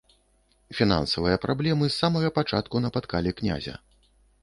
Фінансавыя праблемы з самага пачатку напаткалі князя.